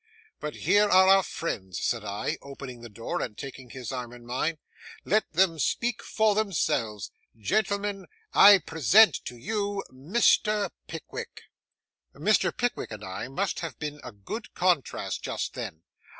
'But here are our friends,' said I, opening the door and taking his arm in mine; 'let them speak for themselves.—Gentlemen, I present to you Mr. Pickwick.' Mr. Pickwick and I must have been a good contrast just then.